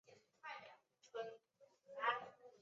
蒂蒂雅。